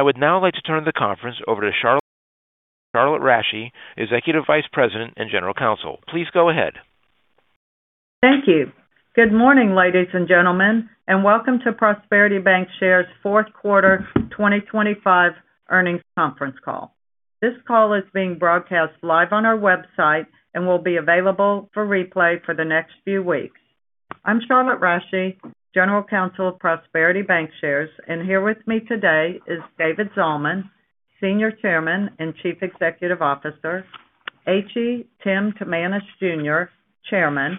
I would now like to turn the conference over to Charlotte Rasche, Executive Vice President and General Counsel. Please go ahead. Thank you. Good morning, ladies and gentlemen, welcome to Prosperity Bancshares' fourth quarter 2025 earnings conference call. This call is being broadcast live on our website and will be available for replay for the next few weeks. I'm Charlotte Rasche, General Counsel of Prosperity Bancshares, and here with me today is David Zalman, Senior Chairman and Chief Executive Officer; H.E. Tim Timanus, Jr., Chairman;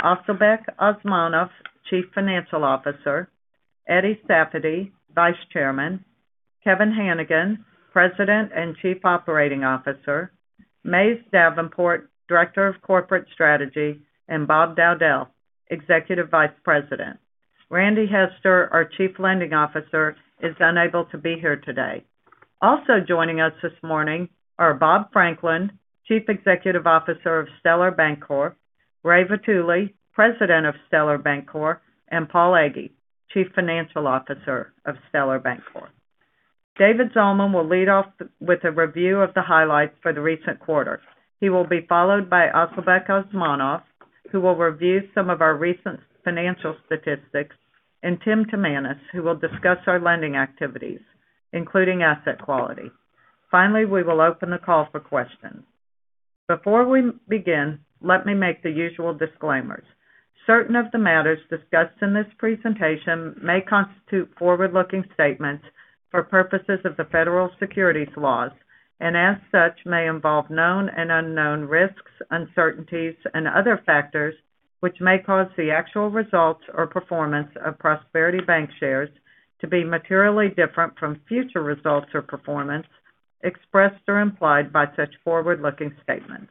Asylbek Osmonov, Chief Financial Officer; Eddie Safady, Vice Chairman; Kevin Hanigan, President and Chief Operating Officer; Mays Davenport, Director of Corporate Strategy; and Bob Dowdell, Executive Vice President. Randy Hester, our Chief Lending Officer, is unable to be here today. Also joining us this morning are Bob Franklin, Chief Executive Officer of Stellar Bancorp; Ray Vitulli, President of Stellar Bancorp; and Paul Egge, Chief Financial Officer of Stellar Bancorp. David Zalman will lead off with a review of the highlights for the recent quarter. He will be followed by Asylbek Osmonov, who will review some of our recent financial statistics, and Tim Timanus, who will discuss our lending activities, including asset quality. Finally, we will open the call for questions. Before we begin, let me make the usual disclaimers. Certain of the matters discussed in this presentation may constitute forward-looking statements for purposes of the Federal Securities Laws and, as such, may involve known and unknown risks, uncertainties, and other factors which may cause the actual results or performance of Prosperity Bancshares to be materially different from future results or performance expressed or implied by such forward-looking statements.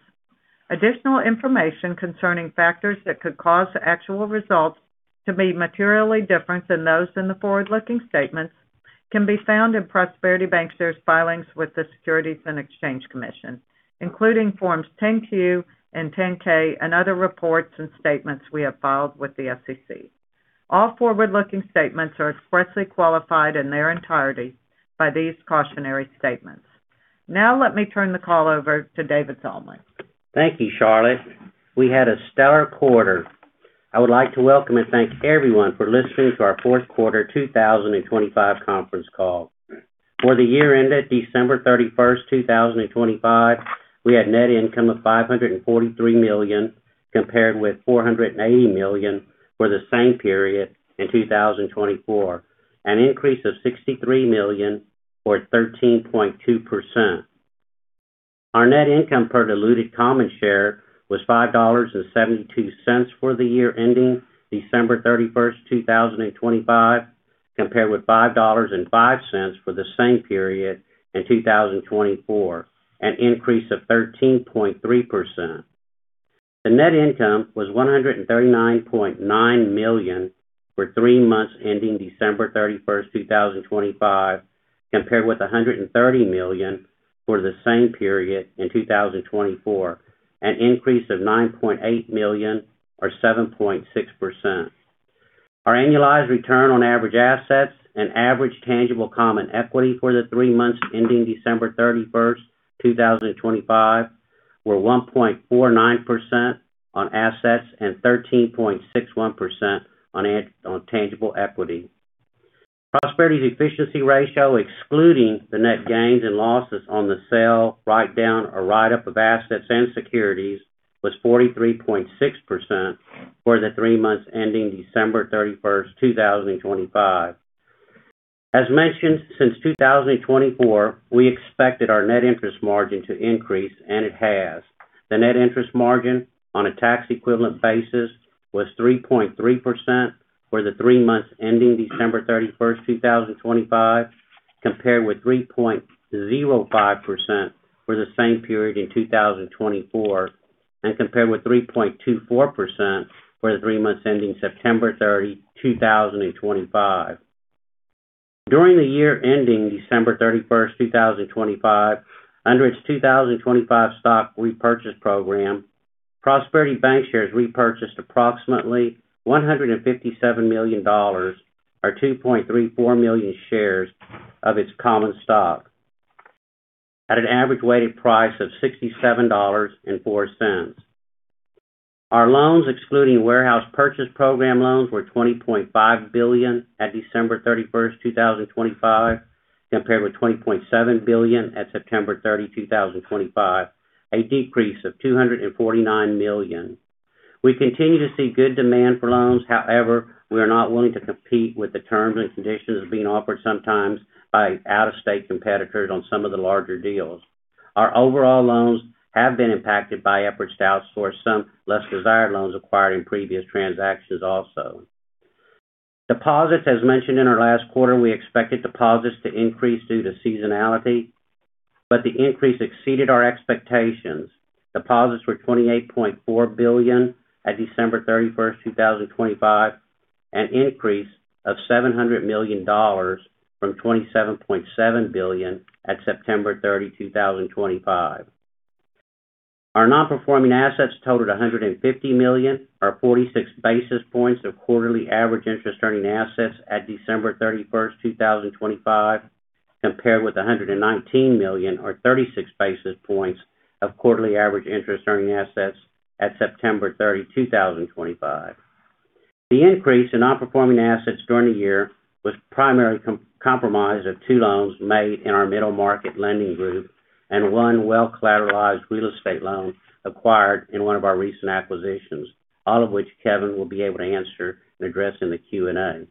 Additional information concerning factors that could cause actual results to be materially different than those in the forward-looking statements can be found in Prosperity Bancshares filings with the Securities and Exchange Commission, including Forms 10-Q and 10-K, and other reports and statements we have filed with the SEC. All forward-looking statements are expressly qualified in their entirety by these cautionary statements. Let me turn the call over to David Zalman. Thank you, Charlotte. We had a stellar quarter. I would like to welcome and thank everyone for listening to our fourth quarter 2025 conference call. For the year ended December 31st, 2025, we had net income of $543 million compared with $480 million for the same period in 2024, an increase of $63 million or 13.2%. Our net income per diluted common share was $5.72 for the year ending December 31st, 2025, compared with $5.05 for the same period in 2024, an increase of 13.3%. The net income was $139.9 million for three months ending December 31st, 2025, compared with $130 million for the same period in 2024, an increase of $9.8 million or 7.6%. Our annualized return on average assets and average tangible common equity for the three months ending December 31st, 2025, were 1.49% on assets and 13.61% on tangible equity. Prosperity's efficiency ratio, excluding the net gains and losses on the sale, write-down or write-up of assets and securities, was 43.6% for the three months ending December 31st, 2025. As mentioned since 2024, we expected our net interest margin to increase, and it has. The net interest margin on a tax equivalent basis was 3.3% for the three months ending December 31st, 2025, compared with 3.05% for the same period in 2024, compared with 3.24% for the three months ending September 30, 2025. During the year ending December 31st, 2025, under its 2025 stock repurchase program, Prosperity Bancshares repurchased approximately $157 million, or 2.34 million shares of its common stock at an average weighted price of $67.04. Our loans, excluding warehouse purchase program loans, were $20.5 billion at December 31st, 2025, compared with $20.7 billion at September 30, 2025, a decrease of $249 million. We continue to see good demand for loans. We are not willing to compete with the terms and conditions being offered sometimes by out-of-state competitors on some of the larger deals. Our overall loans have been impacted by efforts to outsource some less desired loans acquired in previous transactions also. As mentioned in our last quarter, we expected deposits to increase due to seasonality, the increase exceeded our expectations. Deposits were $28.4 billion at December 31st, 2025, an increase of $700 million from $27.7 billion at September 30, 2025. Our non-performing assets totaled $150 million, or 46 basis points of quarterly average interest-earning assets at December 31st, 2025, compared with $119 million or 36 basis points of quarterly average interest-earning assets at September 30, 2025. The increase in outperforming assets during the year was primarily compromised of two loans made in our middle market lending group and one well-collateralized real estate loan acquired in one of our recent acquisitions, all of which Kevin will be able to answer and address in the Q&A.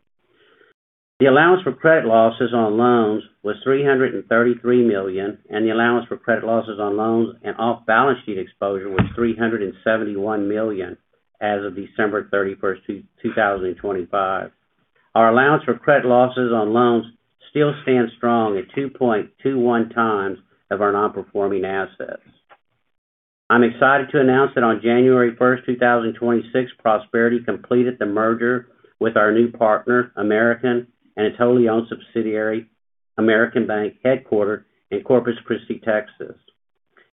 The allowance for credit losses on loans was $333 million, and the allowance for credit losses on loans and off-balance sheet exposure was $371 million as of December 31st, 2025. Our allowance for credit losses on loans still stands strong at 2.21x of our non-performing assets. I'm excited to announce that on January 1st, 2026, Prosperity completed the merger with our new partner, American, and its wholly owned subsidiary, American Bank, headquartered in Corpus Christi, Texas.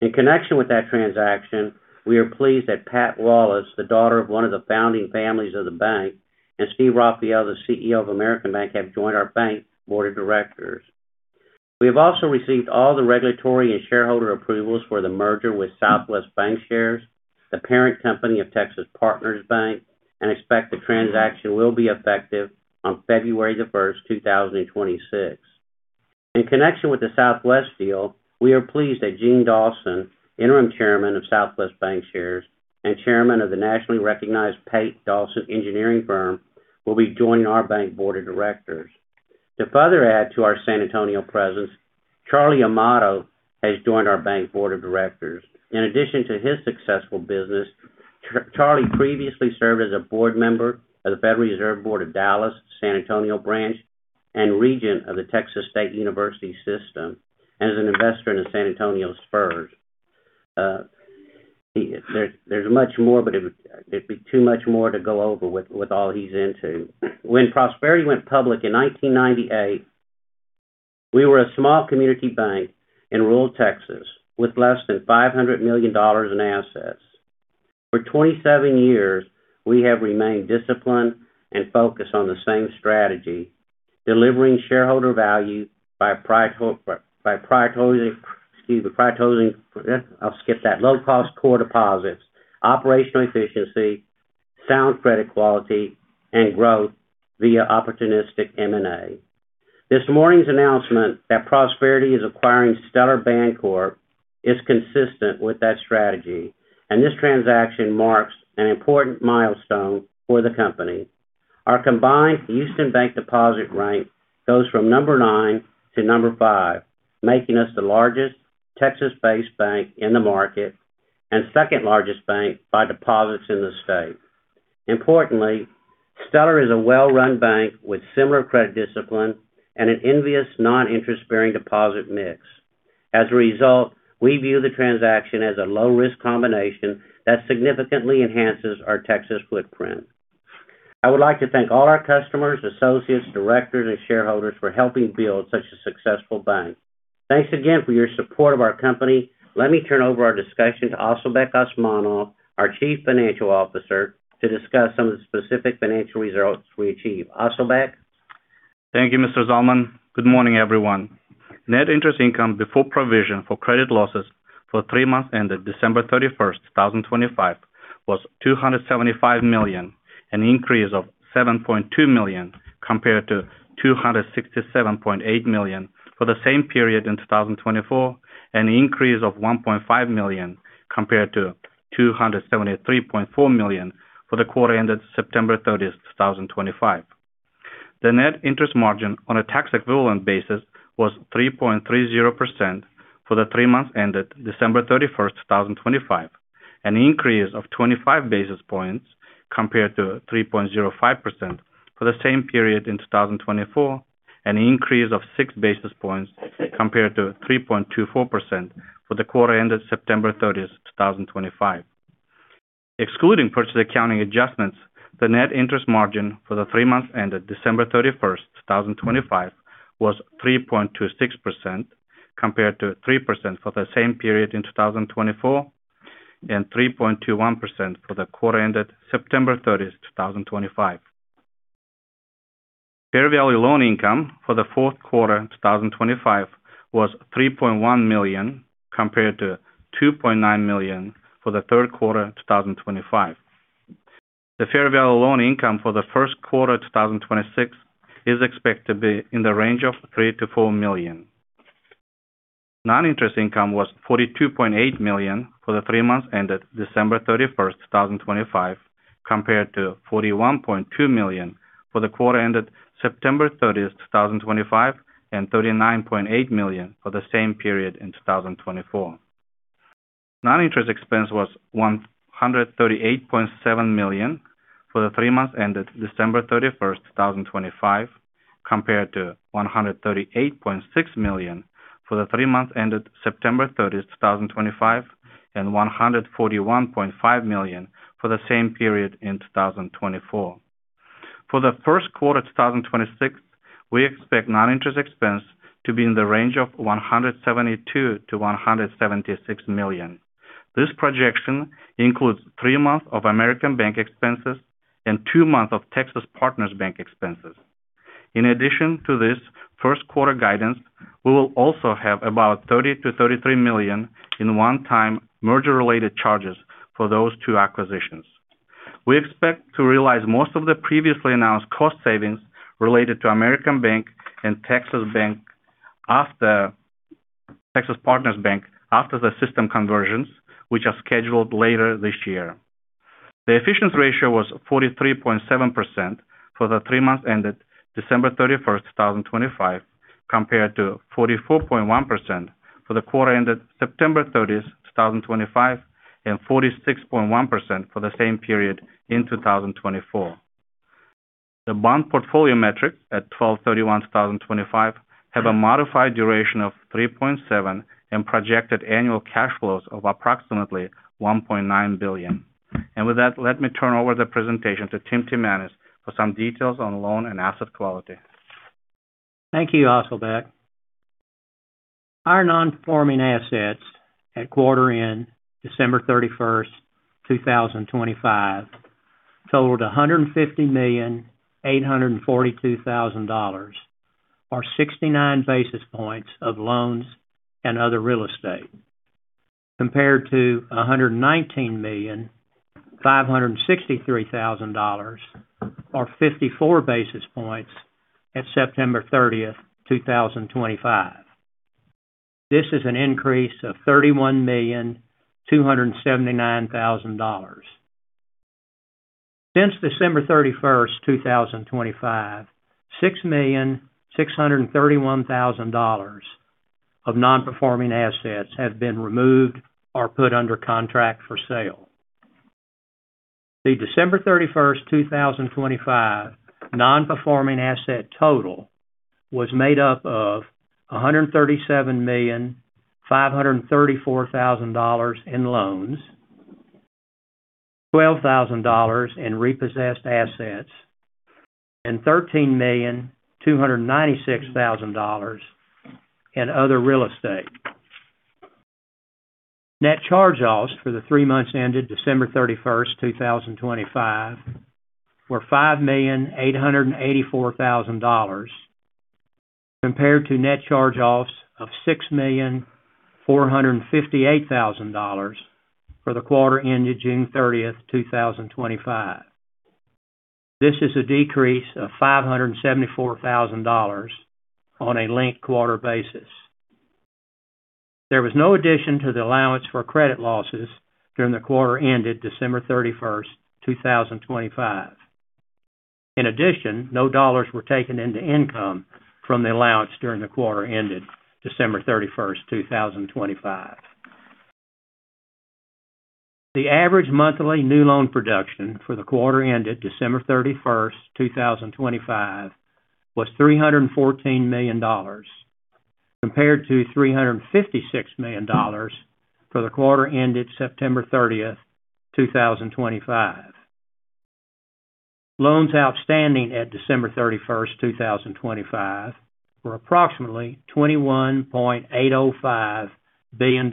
In connection with that transaction, we are pleased that Pat Wallace, the daughter of one of the founding families of the bank, and Steve Retzloff, the CEO of American Bank, have joined our bank Board of Directors. We have also received all the regulatory and shareholder approvals for the merger with Southwest Bancshares, the parent company of Texas Partners Bank, and expect the transaction will be effective on February 1st, 2026. In connection with the Southwest deal, we are pleased that Gene Dawson, Interim Chairman of Southwest Bancshares and Chairman of the nationally recognized Pape-Dawson engineering firm, will be joining our bank Board of Directors. To further add to our San Antonio presence, Charlie Amato has joined our bank Board of Directors. In addition to his successful business, Charlie previously served as a board member of the Federal Reserve Bank of Dallas San Antonio Branch and regent of the Texas State University System, and is an investor in the San Antonio Spurs. There, there's much more, but it'd be too much more to go over with all he's into. When Prosperity went public in 1998, we were a small community bank in rural Texas with less than $500 million in assets. For 27 years, we have remained disciplined and focused on the same strategy, delivering shareholder value by prioritizing. Low cost core deposits, operational efficiency, sound credit quality, and growth via opportunistic M&A. This morning's announcement that Prosperity is acquiring Stellar Bancorp is consistent with that strategy, and this transaction marks an important milestone for the company. Our combined Houston bank deposit rank goes from number nine to number five, making us the largest Texas-based bank in the market and second-largest bank by deposits in the state. Importantly, Stellar is a well-run bank with similar credit discipline and an envious non-interest-bearing deposit mix. As a result, we view the transaction as a low-risk combination that significantly enhances our Texas footprint. I would like to thank all our customers, associates, directors and shareholders for helping build such a successful bank. Thanks again for your support of our company. Let me turn over our discussion to Asylbek Osmonov, our Chief Financial Officer, to discuss some of the specific financial results we achieved. Asylbek. Thank you, Mr. Zalman. Good morning, everyone. Net interest income before provision for credit losses for three months ended December 31st, 2025, was $275 million, an increase of $7.2 million compared to $267.8 million for the same period in 2024, and an increase of $1.5 million compared to $273.4 million for the quarter ended September 30th, 2025. The net interest margin on a tax-equivalent basis was 3.30% for the three months ended December 31st, 2025, an increase of 25 basis points compared to 3.05% for the same period in 2024, and an increase of 6 basis points compared to 3.24% for the quarter ended September 30th, 2025. Excluding purchase accounting adjustments, the net interest margin for the three months ended December 31st, 2025, was 3.26% compared to 3% for the same period in 2024 and 3.21% for the quarter ended September 30th, 2025. Fair value loan income for the fourth quarter in 2025 was $3.1 million compared to $2.9 million for the third quarter in 2025. The fair value loan income for the first quarter 2026 is expected to be in the range of $3 million-$4 million. Non-interest income was $42.8 million for the three months ended December 31st, 2025, compared to $41.2 million for the quarter ended September 30th, 2025, and $39.8 million for the same period in 2024. Non-interest expense was $138.7 million for the three months ended December 31st, 2025, compared to $138.6 million for the three months ended September 30th, 2025, and $141.5 million for the same period in 2024. For the first quarter of 2026, we expect non-interest expense to be in the range of $172 million-$176 million. This projection includes three months of American Bank expenses and two months of Texas Partners Bank expenses. In addition to this first quarter guidance, we will also have about $30 million-$33 million in one-time merger related charges for those two acquisitions. We expect to realize most of the previously announced cost savings related to American Bank and Texas Partners Bank after the system conversions, which are scheduled later this year. The efficiency ratio was 43.7% for the three months ended December 31st, 2025, compared to 44.1% for the quarter ended September 30th, 2025, and 46.1% for the same period in 2024. The bond portfolio metric at 12/31/2025 have a modified duration of 3.7 and projected annual cash flows of approximately $1.9 billion. Let me turn over the presentation to Tim Timanus for some details on loan and asset quality. Thank you, Asylbek. Our non-performing assets at quarter end December 31st, 2025 totaled $150,842,000, or 69 basis points of loans and other real estate, compared to $119,563,000, or 54 basis points at September 30th, 2025. This is an increase of $31,279,000. Since December 31st, 2025, $6,631,000 of non-performing assets have been removed or put under contract for sale. The December 31st, 2025 non-performing asset total was made up of $137,534,000 in loans, $12,000 in repossessed assets, and $13,296,000 in other real estate. Net charge-offs for the three months ended December 31st, 2025 were $5,884,000, compared to net charge-offs of $6,458,000 for the quarter ending June 30th, 2025. This is a decrease of $574,000 on a linked quarter basis. There was no addition to the allowance for credit losses during the quarter ended December 31st, 2025. In addition, no dollars were taken into income from the allowance during the quarter ended December 31st, 2025. The average monthly new loan production for the quarter ended December 31st, 2025 was $314 million, compared to $356 million for the quarter ended September 30th, 2025. Loans outstanding at December 31, 2025, were approximately $21.805 billion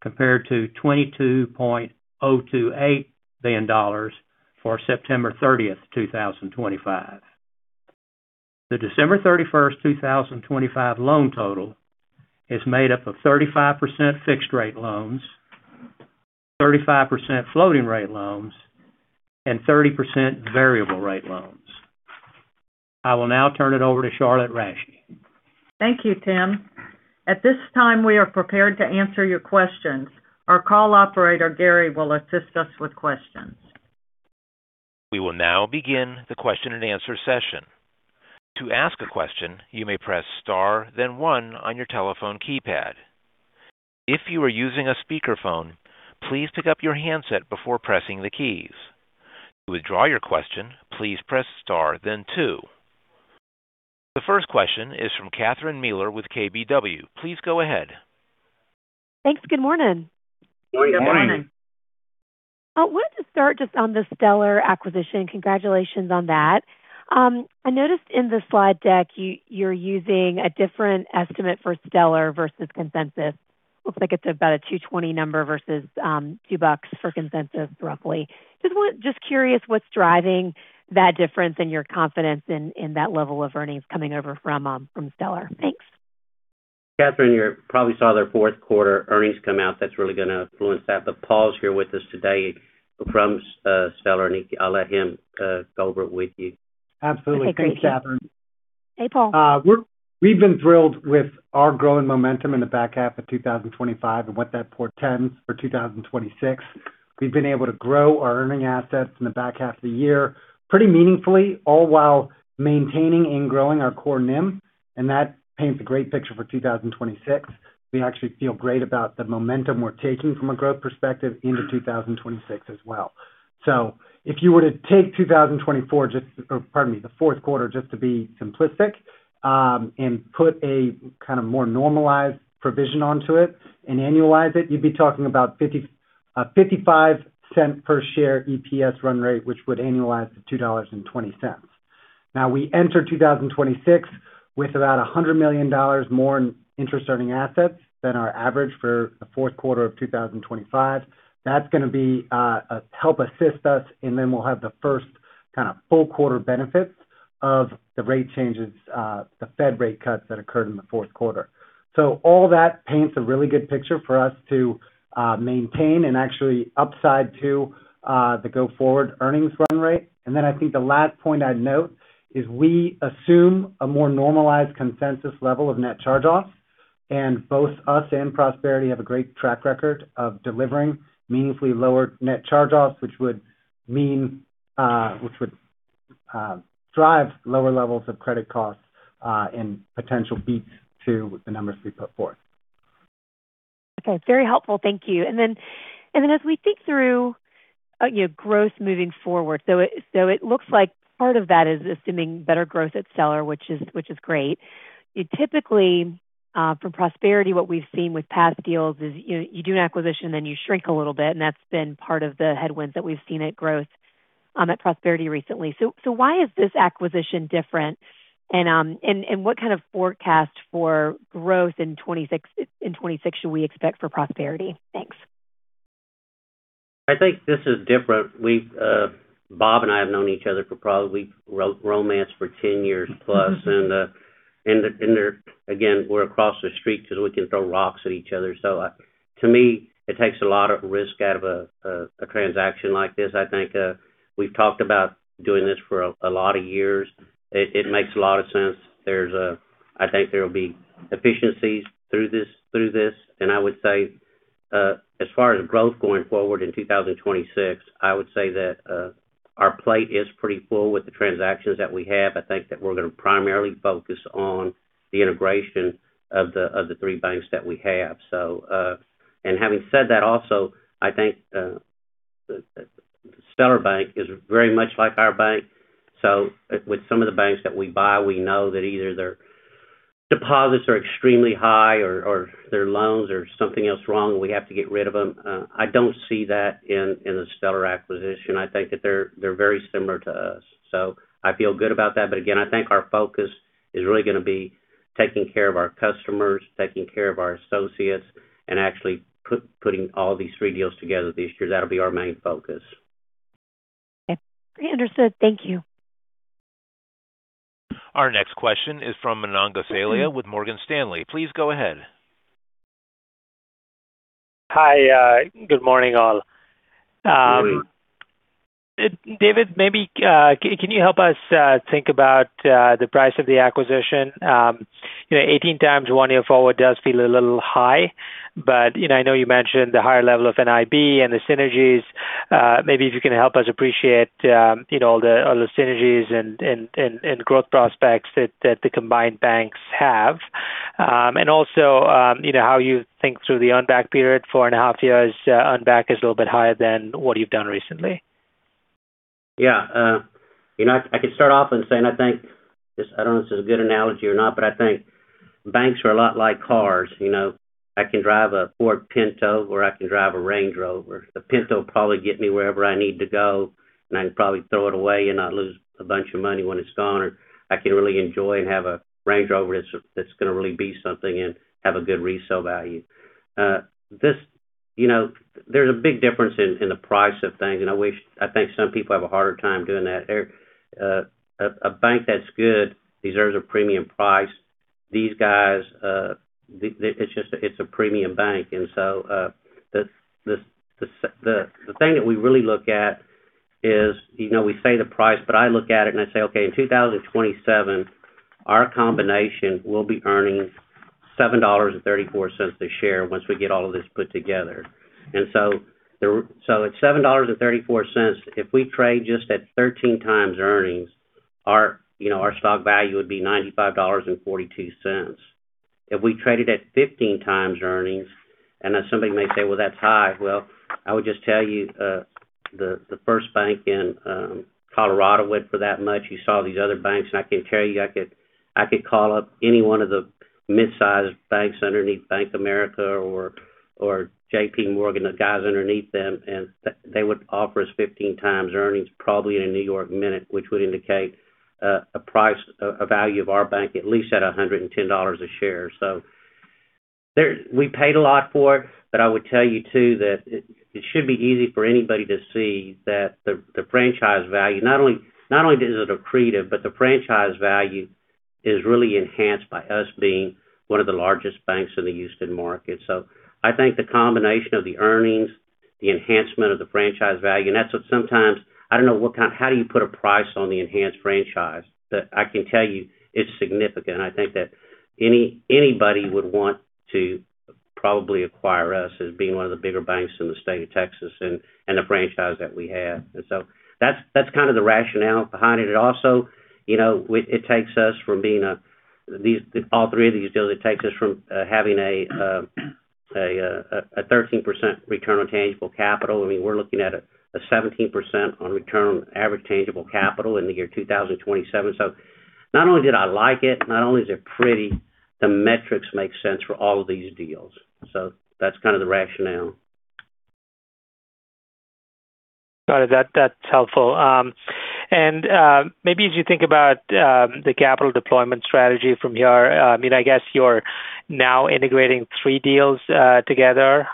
compared to $22.028 billion for September 30, 2025. The December 31st, 2025, loan total is made up of 35% fixed rate loans, 35% floating rate loans, and 30% variable rate loans. I will now turn it over to Charlotte Rasche. Thank you, Tim. At this time, we are prepared to answer your questions. Our call operator, Gary, will assist us with questions. We will now begin the question and answer session. To ask a question, you may press star then one on your telephone keypad. If you are using a speakerphone, please pick up your handset before pressing the keys. To withdraw your question, please press star then two. The first question is from Catherine Mealor with KBW. Please go ahead. Thanks. Good morning. Good morning. Good morning. Good morning. I wanted to start just on the Stellar acquisition. Congratulations on that. I noticed in the slide deck you're using a different estimate for Stellar versus consensus. Looks like it's about a $2.20 number versus $2.00 for consensus roughly. Just curious what's driving that difference and your confidence in that level of earnings coming over from Stellar. Thanks. Catherine, you probably saw their fourth quarter earnings come out. That's really gonna influence that. Paul's here with us today from Stellar, and I'll let him go over it with you. Absolutely. Okay, great. Thanks, Catherine. Hey, Paul. We've been thrilled with our growing momentum in the back half of 2025 and what that portends for 2026. We've been able to grow our earning assets in the back half of the year pretty meaningfully, all while maintaining and growing our core NIM, and that paints a great picture for 2026. We actually feel great about the momentum we're taking from a growth perspective into 2026 as well. If you were to take 2024 just, or pardon me, the fourth quarter just to be simplistic, and put a kind of more normalized provision onto it and annualize it, you'd be talking about $0.55 per share EPS run rate, which would annualize to $2.20. We enter 2026 with about $100 million more in interest earning assets than our average for the fourth quarter of 2025. That's gonna be help assist us, and then we'll have the first kinda full quarter benefits of the rate changes, the Fed rate cuts that occurred in the fourth quarter. All that paints a really good picture for us to maintain and actually upside to the go-forward earnings run rate. I think the last point I'd note is we assume a more normalized consensus level of net charge-offs, and both us and Prosperity have a great track record of delivering meaningfully lower net charge-offs, which would mean, which would drive lower levels of credit costs and potential beats to the numbers we put forth. Okay. Very helpful. Thank you. Then, as we think through, you know, growth moving forward. It looks like part of that is assuming better growth at Stellar, which is great. You typically, from Prosperity, what we've seen with past deals is you do an acquisition, then you shrink a little bit, and that's been part of the headwinds that we've seen at growth at Prosperity recently. Why is this acquisition different? What kind of forecast for growth in 2026 should we expect for Prosperity? Thanks. I think this is different. We've Bob and I have known each other for 10+ years. There, again, we're across the street, so we can throw rocks at each other. To me, it takes a lot of risk out of a transaction like this, I think. We've talked about doing this for a lot of years. It makes a lot of sense. I think there will be efficiencies through this. I would say, as far as growth going forward in 2026, I would say that our plate is pretty full with the transactions that we have. I think that we're gonna primarily focus on the integration of the three banks that we have. Having said that also, I think the Stellar Bank is very much like our bank. With some of the banks that we buy, we know that either their deposits are extremely high or their loans or something else wrong, and we have to get rid of them. I don't see that in the Stellar acquisition. I think that they're very similar to us. I feel good about that. Again, I think our focus is really gonna be taking care of our customers, taking care of our associates, and actually putting all these three deals together this year. That'll be our main focus. Okay. Understood. Thank you. Our next question is from Manan Gosalia with Morgan Stanley. Please go ahead. Hi. Good morning, all. Good morning. David, maybe, can you help us think about the price of the acquisition? You know, 18x one year forward does feel a little high, but, you know, I know you mentioned the higher level of NIB and the synergies. Maybe if you can help us appreciate, you know, all the synergies and growth prospects that the combined banks have. Also, you know, how you think through the earn back period, 4.5 years, earn back is a little bit higher than what you've done recently. You know, I could start off in saying, I think, this, I don't know if this is a good analogy or not, but I think banks are a lot like cars. You know, I can drive a Ford Pinto, or I can drive a Range Rover. The Pinto will probably get me wherever I need to go, and I can probably throw it away and not lose a bunch of money when it's gone, or I can really enjoy and have a Range Rover that's gonna really be something and have a good resale value. This, you know, there's a big difference in the price of things, and I think some people have a harder time doing that. Every, a bank that's good deserves a premium price. These guys, it's just, it's a premium bank. The thing that we really look at is, you know, we say the price, but I look at it and I say, okay, in 2027, our combination will be earning $7.34 a share once we get all of this put together. So at $7.34, if we trade just at 13x earnings, our, you know, our stock value would be $95.42. If we traded at 15x earnings, and then somebody may say, "Well, that's high." Well, I would just tell you, the first bank in Colorado went for that much. You saw these other banks. I can tell you, I could call up any one of the mid-sized banks underneath Bank of America or JP Morgan, the guys underneath them, they would offer us 15x earnings probably in a New York minute, which would indicate a price, a value of our bank at least at $110 a share. We paid a lot for it. I would tell you, too, that it should be easy for anybody to see that the franchise value, not only is it accretive, but the franchise value is really enhanced by us being one of the largest banks in the Houston market. I think the combination of the earnings, the enhancement of the franchise value, and that's what sometimes I don't know how do you put a price on the enhanced franchise? I can tell you it's significant, and I think that anybody would want to probably acquire us as being one of the bigger banks in the state of Texas and the franchise that we have. That's, that's kind of the rationale behind it. It also, you know, it takes us from being a, these, all three of these deals, it takes us from having a 13% return on tangible capital. I mean, we're looking at a 17% on return average tangible capital in the year 2027. Not only did I like it, not only is it pretty, the metrics make sense for all of these deals. That's kind of the rationale. Got it. That's helpful. Maybe as you think about the capital deployment strategy from here, I guess you're now integrating three deals together.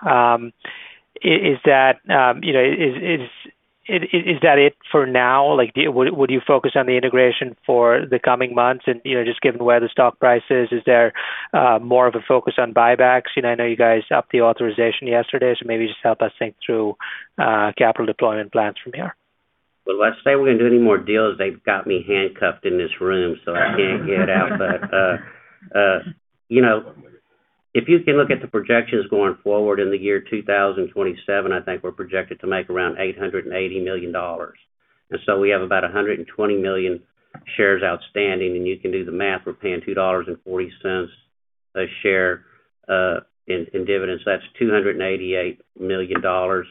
Is that it for now? Would you focus on the integration for the coming months? Just given where the stock price is there more of a focus on buybacks? I know you guys upped the authorization yesterday, maybe just help us think through capital deployment plans from here. Well, let's say we're going to do any more deals, they've got me handcuffed in this room, so I can't get out. You know, if you can look at the projections going forward in the year 2027, I think we're projected to make around $880 million. We have about 120 million shares outstanding, and you can do the math. We're paying $2.40 a share in dividends. That's $288 million or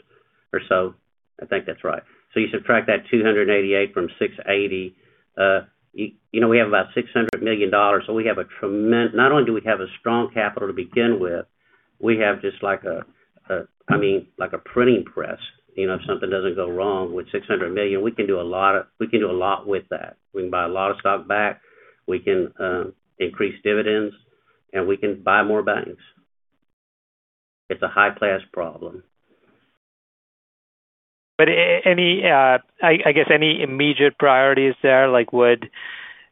so. I think that's right. You subtract that $288 million from $680 million, you know, we have about $600 million. We have a not only do we have a strong capital to begin with, we have just like a, I mean, like a printing press. You know, if something doesn't go wrong with $600 million, we can do a lot with that. We can buy a lot of stock back, we can increase dividends, and we can buy more banks. It's a high-class problem. I guess, any immediate priorities there? Like, would,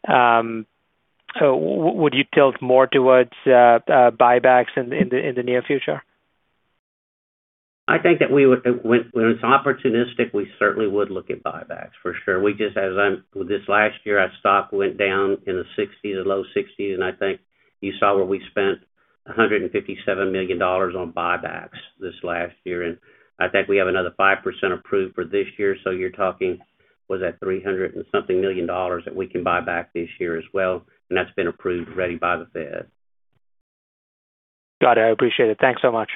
so would you tilt more towards buybacks in the near future? I think that when it's opportunistic, we certainly would look at buybacks for sure. We just as this last year, our stock went down in the $60s, the low $60s, and I think you saw where we spent $157 million on buybacks this last year. I think we have another 5% approved for this year. You're talking, what's that, $300 million that we can buy back this year as well, and that's been approved already by the Fed. Got it. I appreciate it. Thanks so much.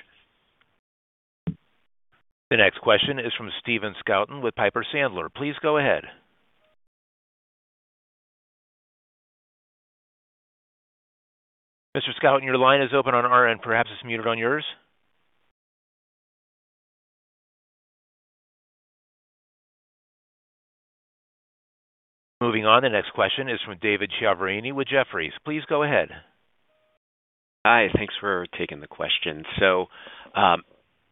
The next question is from Stephen Scouten with Piper Sandler. Please go ahead. Mr. Scouten, your line is open on our end. Perhaps it is muted on yours. Moving on, the next question is from David Chiaverini with Jefferies. Please go ahead. Hi. Thanks for taking the question.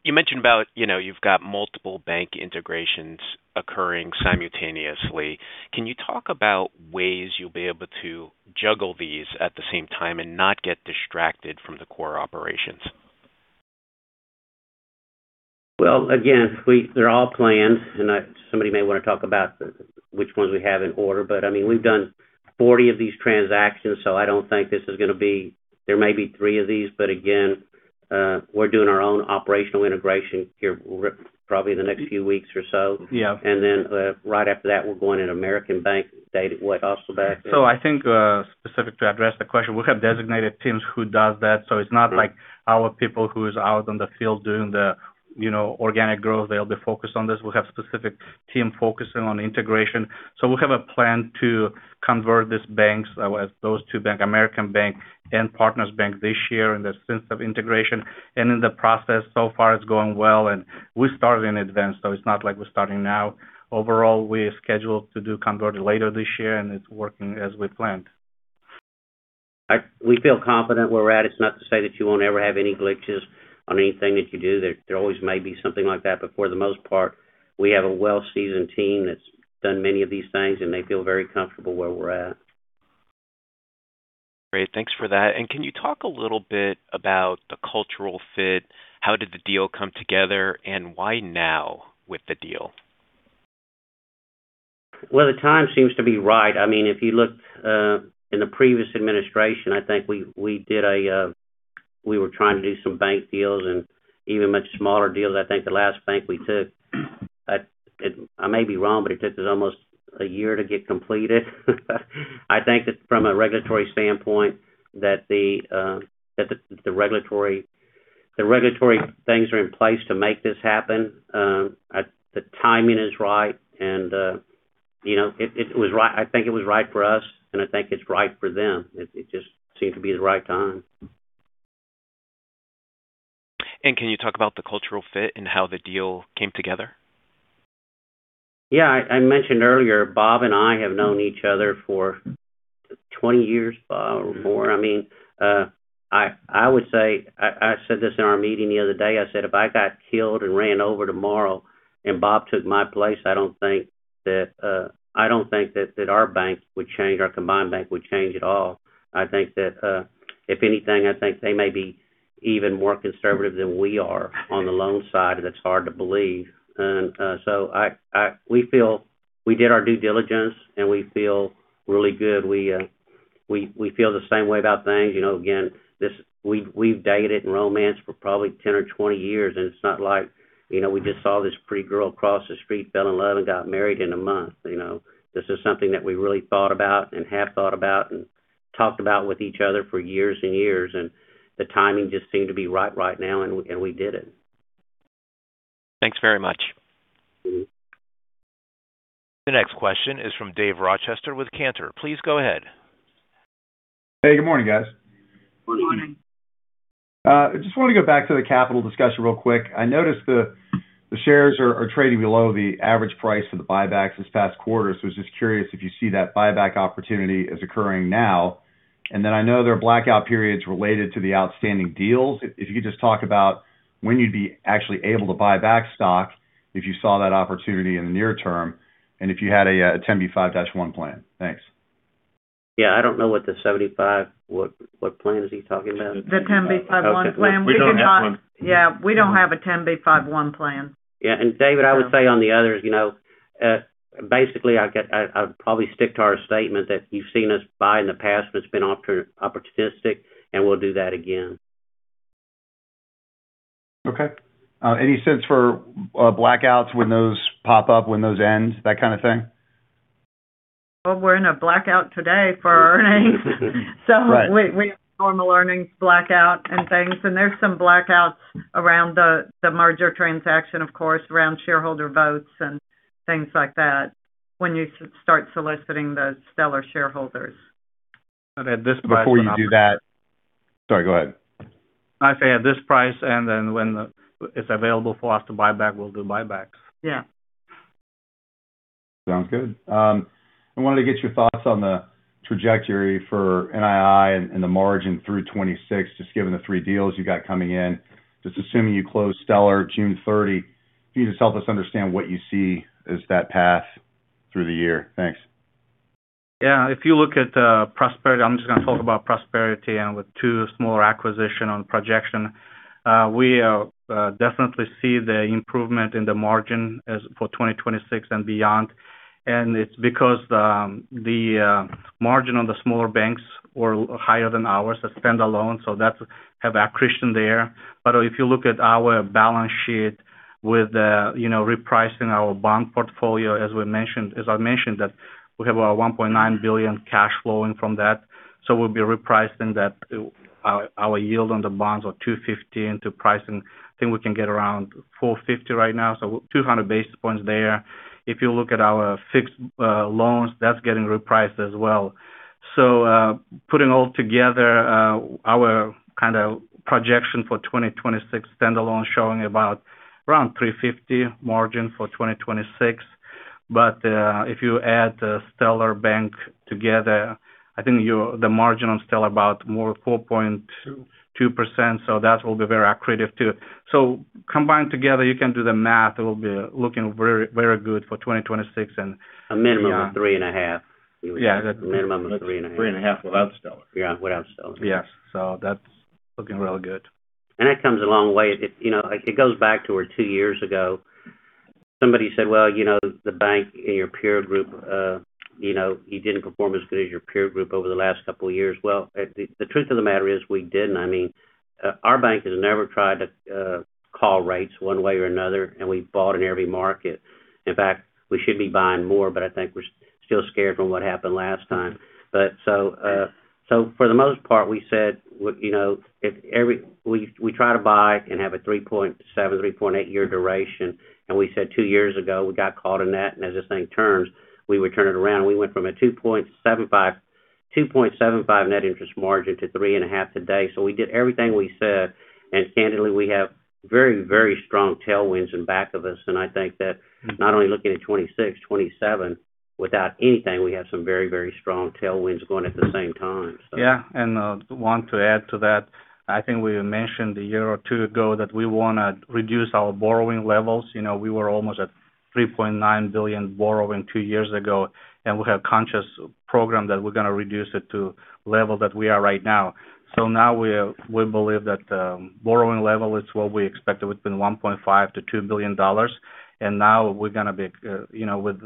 You mentioned about, you know, you've got multiple bank integrations occurring simultaneously. Can you talk about ways you'll be able to juggle these at the same time and not get distracted from the core operations? Well, again, they're all planned, somebody may wanna talk about which ones we have in order, but, I mean, we've done 40 of these transactions, so I don't think this is gonna be. There may be three of these, but again, we're doing our own operational integration here probably in the next few weeks or so. Yeah. Right after that, we're going into American Bank, dated, what, also back then. I think, specific to address the question, we have designated teams who does that. It's not like our people who is out on the field doing the, you know, organic growth. They'll be focused on this. We have specific team focusing on integration. We have a plan to convert these banks, those two bank, American Bank and Partners Bank this year in the sense of integration. In the process so far, it's going well. We started in advance, so it's not like we're starting now. We are scheduled to do conversion later this year, and it's working as we planned. We feel confident where we're at. It's not to say that you won't ever have any glitches on anything that you do. There always may be something like that, for the most part, we have a well-seasoned team that's done many of these things, and they feel very comfortable where we're at. Great. Thanks for that. Can you talk a little bit about the cultural fit? How did the deal come together, and why now with the deal? Well, the time seems to be right. I mean, if you look in the previous administration, I think we were trying to do some bank deals and even much smaller deals. I think the last bank we took, I may be wrong, but it took us almost a year to get completed. I think that from a regulatory standpoint, that the regulatory things are in place to make this happen. The timing is right, and, you know, it was right. I think it was right for us, I think it's right for them. It just seemed to be the right time. Can you talk about the cultural fit and how the deal came together? Yeah. I mentioned earlier, Bob and I have known each other for 20 years or more. I mean, I would say. I said this in our meeting the other day. I said, "If I got killed and ran over tomorrow and Bob took my place, I don't think that, I don't think that our bank would change, our combined bank would change at all." I think that, if anything, I think they may be even more conservative than we are on the loan side. That's hard to believe. So we feel we did our due diligence, and we feel really good. We feel the same way about things. You know, again, this. We've dated and romanced for probably 10 or 20 years, it's not like, you know, we just saw this pretty girl across the street, fell in love, and got married in a month, you know? This is something that we really thought about and have thought about and talked about with each other for years and years, and the timing just seemed to be right right now, and we, and we did it. Thanks very much. The next question is from Dave Rochester with Cantor. Please go ahead. Hey, good morning, guys. Good morning. I just wanted to go back to the capital discussion real quick. I noticed the shares are trading below the average price of the buybacks this past quarter. I was just curious if you see that buyback opportunity as occurring now. I know there are blackout periods related to the outstanding deals. If you could just talk about when you'd be actually able to buy back stock if you saw that opportunity in the near term, and if you had a 10b5-1 plan. Thanks. Yeah. I don't know what the 75 what plan is he talking about? The 10b5-1 plan. We don't have one. Yeah, we don't have a 10b5-1 plan. Yeah. Dave, I would say on the others, you know, basically I'd probably stick to our statement that you've seen us buy in the past when it's been opportunistic, and we'll do that again. Okay. Any sense for blackouts when those pop up, when those end, that kind of thing? Well, we're in a blackout today for earnings. Right. We have formal earnings blackout and things, and there's some blackouts around the merger transaction, of course, around shareholder votes and things like that when you start soliciting the Stellar shareholders. At this price. Before you do that. Sorry, go ahead. I'd say at this price, and then when it's available for us to buy back, we'll do buybacks. Yeah. Sounds good. I wanted to get your thoughts on the trajectory for NII and the margin through 2026, just given the three deals you got coming in. Just assuming you close Stellar June 30, can you just help us understand what you see as that path through the year? Thanks. If you look at Prosperity, I'm just gonna talk about Prosperity and with two smaller acquisition on projection. We definitely see the improvement in the margin for 2026 and beyond. It's because the margin on the smaller banks were higher than ours as standalone, so that's have accretion there. If you look at our balance sheet with, you know, repricing our bond portfolio, as I mentioned that we have a $1.9 billion cash flowing from that. We'll be repricing that. Our yield on the bonds are 2.50% into pricing. I think we can get around 4.50% right now, so 200 basis points there. If you look at our fixed loans, that's getting repriced as well. Putting all together, our kind of projection for 2026 standalone showing about around 3.50% margin for 2026. If you add the Stellar Bank together, I think the margin on Stellar about more 4.2%. That will be very accretive too. Combined together, you can do the math. It will be looking very, very good for 2026. A minimum of 3.5%. Yeah, that-. Minimum of 3.5%. 3.5% without Stellar. Yeah, without Stellar. Yeah. That's looking really good. That comes a long way. It, you know, it goes back to where two years ago somebody said, "Well, you know, the bank in your peer group, you know, you didn't perform as good as your peer group over the last couple of years." Well, the truth of the matter is, we didn't. I mean, our bank has never tried to call rates one way or another, and we bought in every market. In fact, we should be buying more, but I think we're still scared from what happened last time. So for the most part, we said, you know, if every, we try to buy and have a 3.7, 3.8 year duration. We said two years ago, we got caught in that, and as this thing turns, we would turn it around. We went from a 2.75% net interest margin to 3.5% today. We did everything we said, and candidly, we have very strong tailwinds in back of us. I think that not only are you looking at 2026, 2027, without anything, we have some very strong tailwinds going at the same time. Yeah. I want to add to that. I think we mentioned a year or two ago that we wanna reduce our borrowing levels. You know, we were almost at $3.9 billion borrowing two years ago, and we have conscious program that we're gonna reduce it to level that we are right now. Now we believe that borrowing level is what we expected within $1.5 billion-$2 billion. Now we're gonna be, you know, with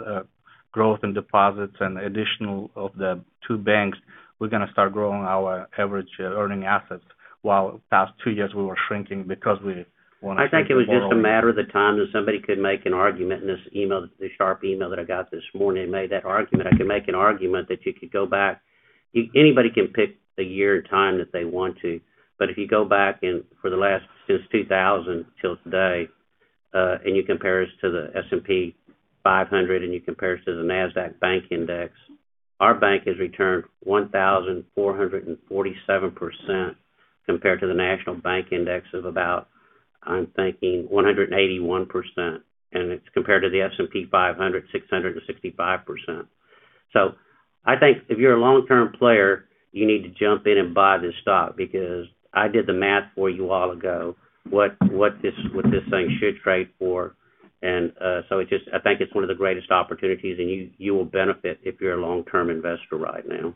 growth in deposits and additional of the two banks, we're gonna start growing our average earning assets, while past two years we were shrinking because we wanna shrink the borrowing. I think it was just a matter of the time that somebody could make an argument, and this email, the sharp email that I got this morning made that argument. I could make an argument that you could go back. Anybody can pick the year or time that they want to, but if you go back and for the last, since 2000 till today, and you compare us to the S&P 500 and you compare us to the Nasdaq Bank Index, our bank has returned 1,447% compared to the Nasdaq Bank Index of about, I'm thinking 181%. It's compared to the S&P 500, 665%. I think if you're a long-term player, you need to jump in and buy this stock because I did the math for you a while ago, what this thing should trade for. I think it's one of the greatest opportunities, and you will benefit if you're a long-term investor right now.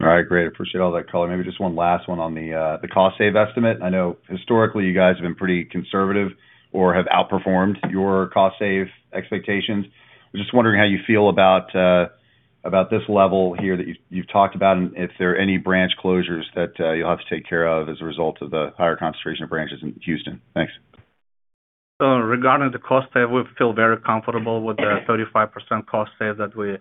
All right, great. Appreciate all that color. Maybe just one last one on the cost save estimate. I know historically you guys have been pretty conservative or have outperformed your cost save expectations. I'm just wondering how you feel about about this level here that you've talked about and if there are any branch closures that you'll have to take care of as a result of the higher concentration of branches in Houston. Thanks. Regarding the cost save, we feel very comfortable with the 35% cost save that we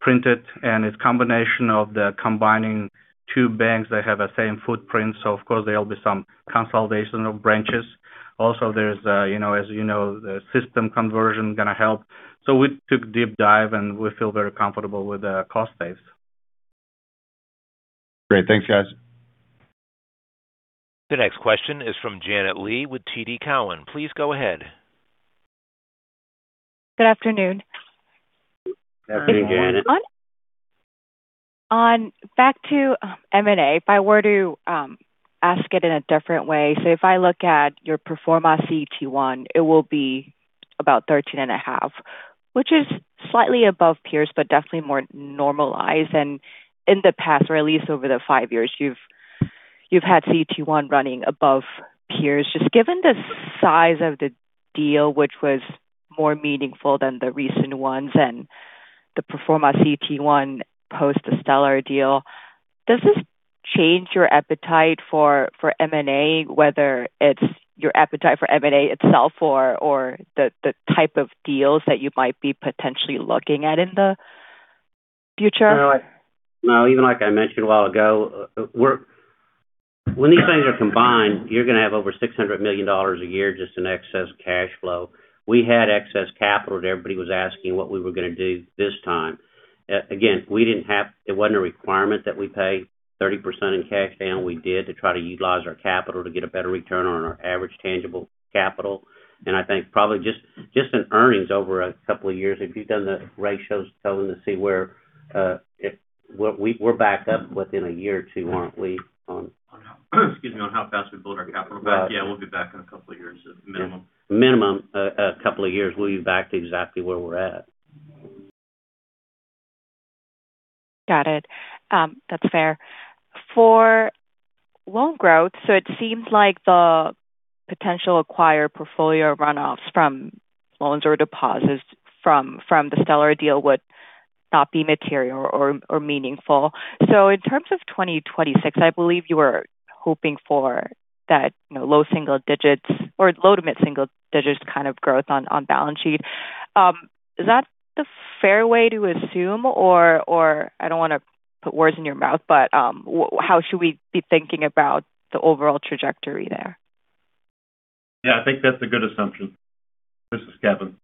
printed. It's combination of the combining two banks that have the same footprint, so of course there'll be some consolidation of branches. Also, there's, you know, as you know, the system conversion gonna help. We took deep dive, and we feel very comfortable with the cost saves. Great. Thanks, guys. The next question is from Janet Lee with TD Cowen. Please go ahead. Good afternoon. Afternoon, Janet. Back to M&A. If I were to ask it in a different way, if I look at your pro forma CET1, it will be about 13.5%, which is slightly above peers, but definitely more normalized than in the past. At least over the five years you've had CET1 running above peers. Given the size of the deal, which was more meaningful than the recent ones and the pro forma CET1 post the Stellar deal, does this change your appetite for M&A, whether it's your appetite for M&A itself or the type of deals that you might be potentially looking at in the future? No. Even like I mentioned a while ago, when these things are combined, you're gonna have over $600 million a year just in excess cash flow. We had excess capital that everybody was asking what we were gonna do this time. Again, it wasn't a requirement that we pay 30% in cash down. We did to try to utilize our capital to get a better return on our average tangible capital. I think probably just in earnings over a couple of years, if you've done the ratios telling to see where, if we're back up within a year or two, aren't we? Excuse me. On how fast we build our capital back? Right. Yeah, we'll be back in a couple of years at minimum. Minimum, a couple of years, we'll be back to exactly where we're at. Got it. That's fair. For loan growth, it seems like the potential acquire portfolio runoffs from loans or deposits from the Stellar deal would not be material or meaningful. In terms of 2026, I believe you were hoping for that, you know, low single digits or low to mid single digits kind of growth on balance sheet. Is that the fair way to assume or I don't wanna put words in your mouth, but how should we be thinking about the overall trajectory there? Yeah, I think that's a good assumption. This is Kevin.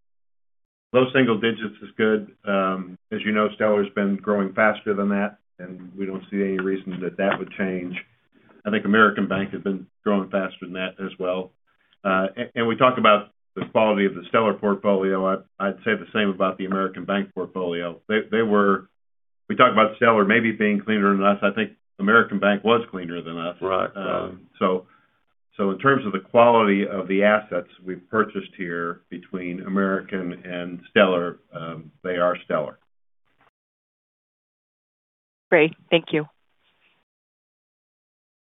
Low single digits is good. As you know, Stellar's been growing faster than that, and we don't see any reason that that would change. I think American Bank has been growing faster than that as well. We talked about the quality of the Stellar portfolio. I'd say the same about the American Bank portfolio. We talked about Stellar maybe being cleaner than us. I think American Bank was cleaner than us. Right. Right. In terms of the quality of the assets we've purchased here between American and Stellar, they are stellar. Great. Thank you.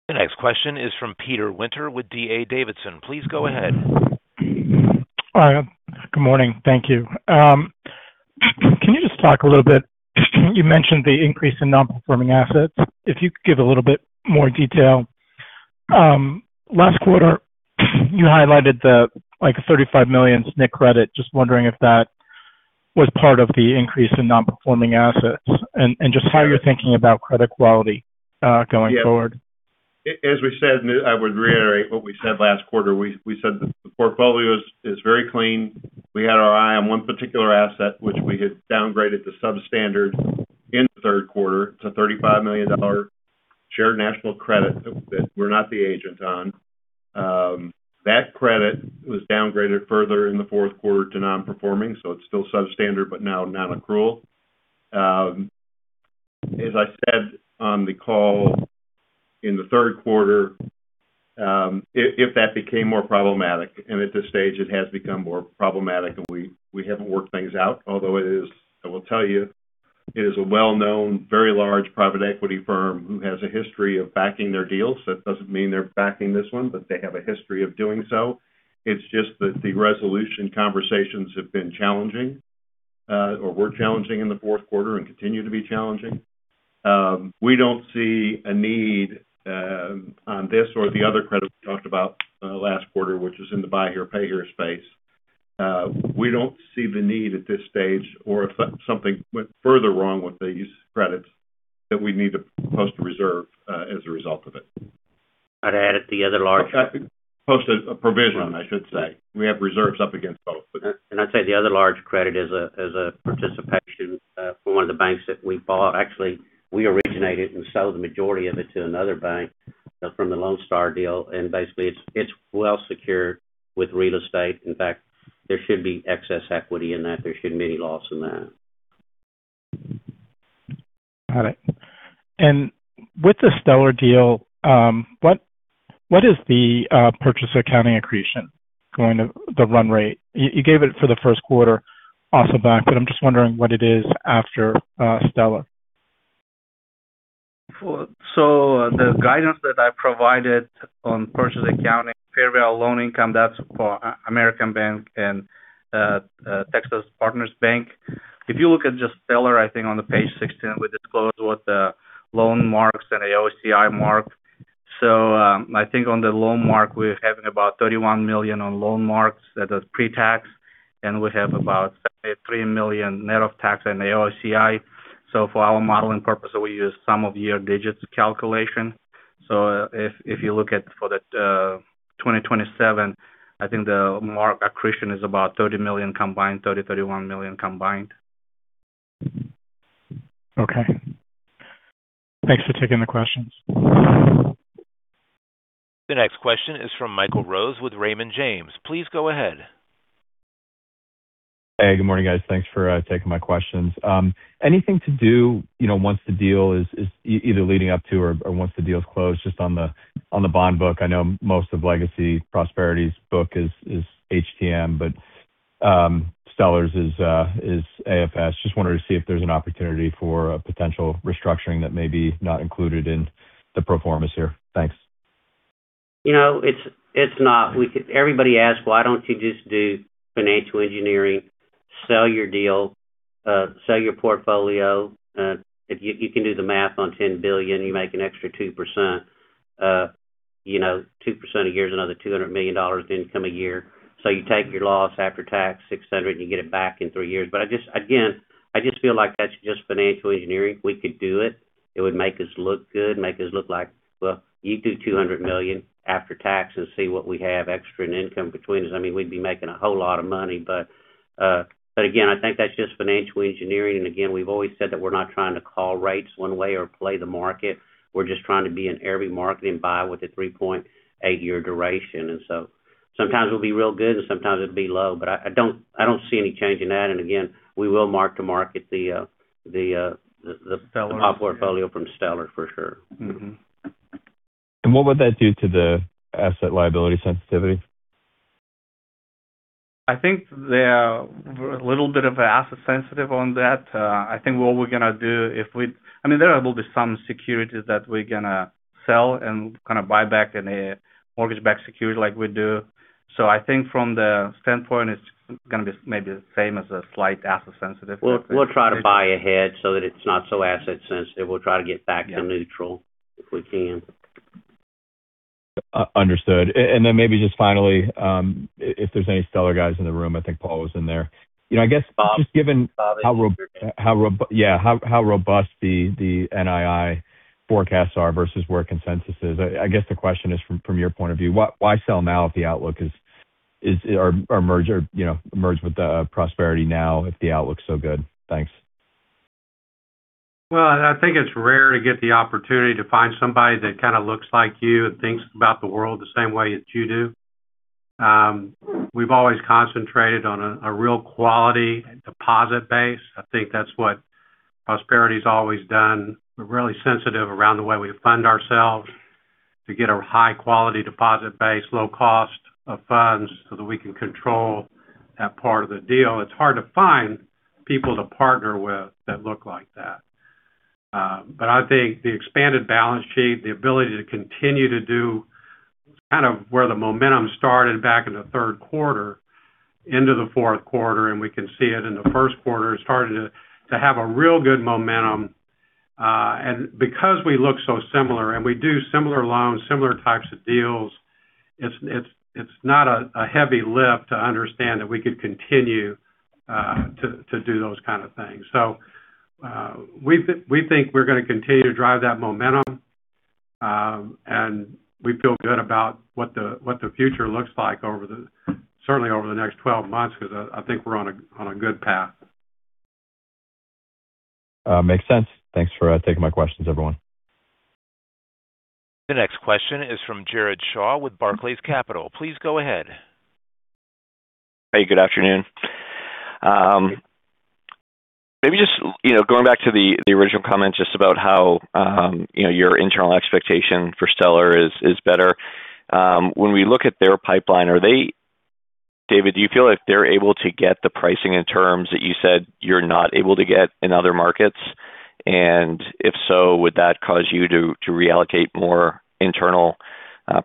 The next question is from Peter Winter with D.A. Davidson. Please go ahead. All right. Good morning. Thank you. Can you just talk a little bit, you mentioned the increase in non-performing assets. If you could give a little bit more detail. Last quarter, you highlighted the, like, $35 million SNC credit. Just wondering if that was part of the increase in non-performing assets and just how you're thinking about credit quality going forward. Yeah. As we said, I would reiterate what we said last quarter, we said the portfolio is very clean. We had our eye on one particular asset which we had downgraded to substandard in the third quarter. It's a $35 million Shared National Credit that we're not the agent on. That credit was downgraded further in the fourth quarter to non-performing. It's still substandard, but now non-accrual. As I said on the call in the third quarter, if that became more problematic, at this stage it has become more problematic, and we haven't worked things out. Although it is, I will tell you, it is a well-known very large private equity firm who has a history of backing their deals. That doesn't mean they're backing this one, but they have a history of doing so. It's just that the resolution conversations have been challenging, or were challenging in the fourth quarter and continue to be challenging. We don't see a need on this or the other credit we talked about last quarter, which is in the buy here, pay here space. We don't see the need at this stage or if something went further wrong with these credits that we need to post a reserve as a result of it. I'd add that the other large- Post a provision, I should say. We have reserves up against both. I'd say the other large credit is a participation for one of the banks that we bought. Actually, we originated and sold the majority of it to another bank from the Lone Star deal. Basically it's well secured with real estate. In fact, there should be excess equity in that. There shouldn't be any loss in that. Got it. With the Stellar deal, what is the purchase accounting accretion going to the run rate? You gave it for the first quarter off the back, I am just wondering what it is after Stellar. The guidance that I provided on purchase accounting, fair value loan income, that's for American Bank and Texas Partners Bank. If you look at just Stellar, I think on page 16, we disclose what the loan marks and AOCI mark. I think on the loan mark, we're having about $31 million on loan marks at a pre-tax, and we have about $33 million net of tax and AOCI. For our modeling purpose, we use sum-of-years-digits calculation. If you look at for 2027, I think the mark accretion is about $31 million combined. Okay. Thanks for taking the questions. The next question is from Michael Rose with Raymond James. Please go ahead. Hey, good morning, guys. Thanks for taking my questions. Anything to do, you know, once the deal is either leading up to or once the deal is closed, just on the bond book. I know most of legacy Prosperity's book is HTM, but Stellar's is AFS. Just wanted to see if there's an opportunity for a potential restructuring that may be not included in the pro formas here. Thanks. You know, it's not. We could. Everybody asks, "Why don't you just do financial engineering, sell your deal, sell your portfolio?" If you can do the math on $10 billion, you make an extra 2%. You know, 2% a year is another $200 million income a year. You take your loss after tax, $600 million, and you get it back in three years. I just, again, feel like that's just financial engineering. We could do it. It would make us look good, make us look like. Well, you do $200 million after tax and see what we have extra in income between us. I mean, we'd be making a whole lot of money. Again, I think that's just financial engineering. Again, we've always said that we're not trying to call rates one way or play the market. We're just trying to be in every market and buy with a 3.8 year duration. Sometimes it'll be real good, and sometimes it'll be low. I don't see any change in that. Again, we will mark-to-market the- Stellar. portfolio from Stellar for sure. Mm-hmm. What would that do to the asset liability sensitivity? I think they are a little bit of asset sensitive on that. I think what we're gonna do, I mean, there will be some securities that we're gonna sell and kind of buy back in a mortgage-backed security like we do. I think from the standpoint, it's gonna be maybe the same as a slight asset sensitive. We'll try to buy ahead so that it's not so asset sensitive. We'll try to get back to neutral if we can. Understood. Maybe just finally, if there's any Stellar guys in the room, I think Paul was in there. You know. Bob. Just given how robust the NII forecasts are versus where consensus is. I guess the question is from your point of view, why sell now if the outlook is, or merge, or, you know, merge with Prosperity now if the outlook's so good? Thanks. Well, I think it's rare to get the opportunity to find somebody that kind of looks like you and thinks about the world the same way that you do. We've always concentrated on a real quality deposit base. I think that's what Prosperity's always done. We're really sensitive around the way we fund ourselves to get a high quality deposit base, low cost of funds so that we can control that part of the deal. It's hard to find people to partner with that look like that. I think the expanded balance sheet, the ability to continue to do kind of where the momentum started back in the third quarter into the fourth quarter, and we can see it in the first quarter, starting to have a real good momentum. Because we look so similar and we do similar loans, similar types of deals, it's not a heavy lift to understand that we could continue to do those kind of things. We think we're gonna continue to drive that momentum. We feel good about what the future looks like over the, certainly over the next 12 months because I think we're on a good path. Makes sense. Thanks for taking my questions, everyone. The next question is from Jared Shaw with Barclays Capital. Please go ahead. Hey, good afternoon. Maybe just, you know, going back to the original comment just about how, you know, your internal expectation for Stellar is better. When we look at their pipeline, David, do you feel like they're able to get the pricing and terms that you said you're not able to get in other markets? If so, would that cause you to reallocate more internal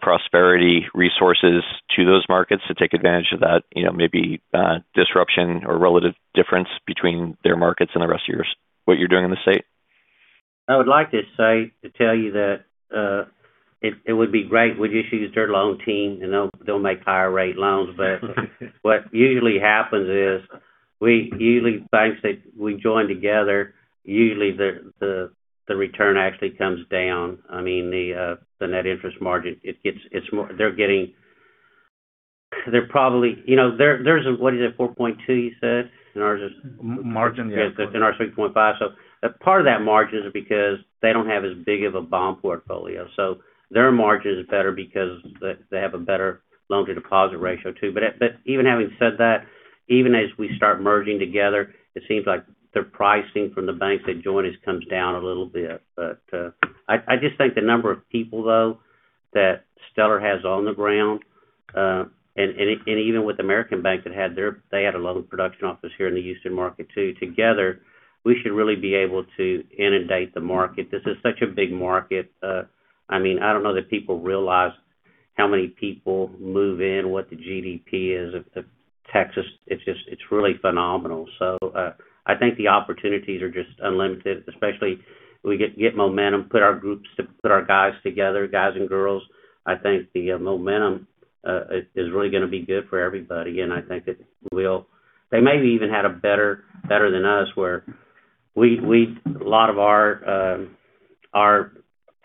Prosperity resources to those markets to take advantage of that, you know, maybe disruption or relative difference between their markets and the rest of yours, what you're doing in the state? I would like to say, to tell you that it would be great. We'd just use their loan team, they'll make higher rate loans. What usually happens is banks that we join together, usually the return actually comes down. I mean, the net interest margin. You know, theirs, what is it, 4.2%, you said? Ours is. Margin, yeah. Ours is 3.5%. Part of that margin is because they don't have as big of a bond portfolio. Their margin is better because they have a better loan-to-deposit ratio too. Even having said that, even as we start merging together, it seems like their pricing from the banks that join us comes down a little bit. I just think the number of people though that Stellar has on the ground, and even with American Bank that had a loan production office here in the Houston market too. Together, we should really be able to inundate the market. This is such a big market. I mean, I don't know that people realize how many people move in, what the GDP is of Texas. It's just, it's really phenomenal. I think the opportunities are just unlimited, especially we get momentum, put our guys together, guys and girls. I think the momentum is really gonna be good for everybody. I think that we'll. They maybe even had it better than us where a lot of our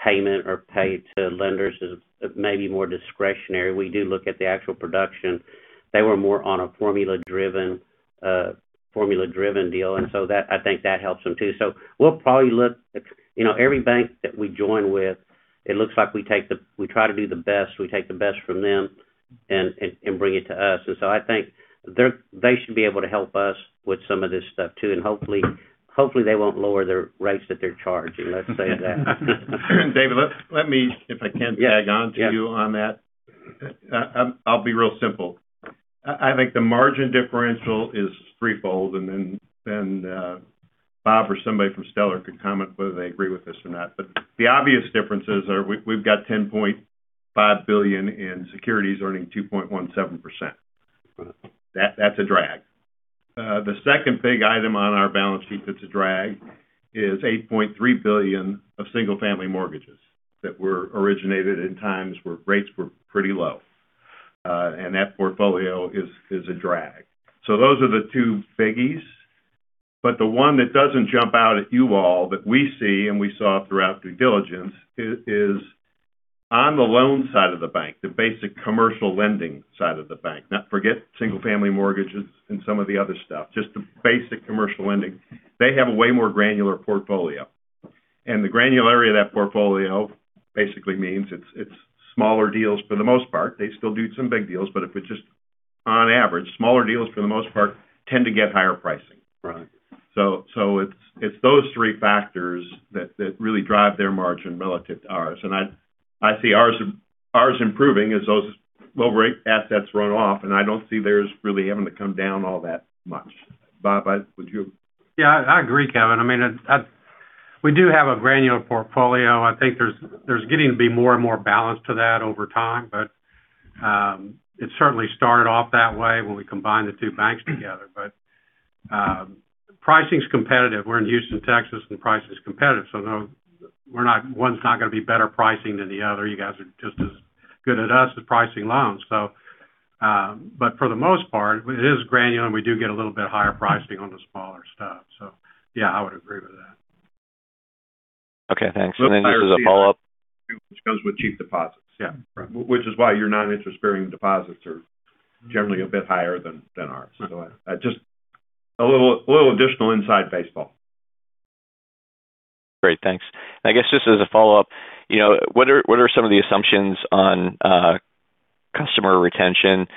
payment or pay to lenders is maybe more discretionary. We do look at the actual production. They were more on a formula-driven deal. I think that helps them too. We'll probably look. You know, every bank that we join with, it looks like we take the. We try to do the best, we take the best from them and bring it to us. I think they should be able to help us with some of this stuff too, and hopefully they won't lower their rates that they're charging, let's say that. David, let me, if I can tag on to you on that. Yeah. Yeah. I'll be real simple. I think the margin differential is threefold, then Bob or somebody from Stellar could comment whether they agree with this or not. The obvious differences are we've got $10.5 billion in securities earning 2.17%. Right. That's a drag. The second big item on our balance sheet that's a drag is $8.3 billion of single-family mortgages that were originated in times where rates were pretty low. That portfolio is a drag. Those are the two biggies. The one that doesn't jump out at you all that we see, and we saw throughout due diligence is on the loan side of the bank, the basic commercial lending side of the bank. Forget single-family mortgages and some of the other stuff, just the basic commercial lending. They have a way more granular portfolio. The granularity of that portfolio basically means it's smaller deals for the most part. They still do some big deals, but if it's just on average, smaller deals for the most part tend to get higher pricing. Right. It's those three factors that really drive their margin relative to ours. I see ours improving as those low rate assets run off, and I don't see theirs really having to come down all that much. Bob, would you- Yeah, I agree, Kevin. I mean, we do have a granular portfolio. I think there's getting to be more and more balance to that over time. Pricing's competitive. We're in Houston, Texas, and pricing is competitive, so no, one's not gonna be better pricing than the other. You guys are just as good as us at pricing loans. For the most part, it is granular, and we do get a little bit higher pricing on the smaller stuff. Yeah, I would agree with that. Okay, thanks. Then just as a follow-up. Which comes with cheap deposits. Yeah. Right. Which is why your non-interest-bearing deposits are generally a bit higher than ours. Just a little additional inside baseball. Great. Thanks. I guess just as a follow-up, you know, what are some of the assumptions on customer retention,